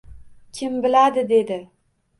— Kim biladi, — dedi.